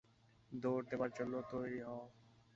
দৌড় দেবার জন্য তৈরি হ।